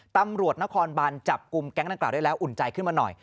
ตำรวจนครบัญจับกลุ่มแก๊งนั้นเกาะอุ่นใจขึ้นมาหน่อย